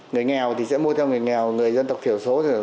người nghèo thì sẽ mua theo người nghèo người dân tộc thiểu số